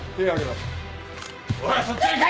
おいそっちへ行け！